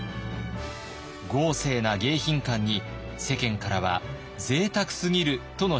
豪勢な迎賓館に世間からはぜいたくすぎるとの批判も浴びます。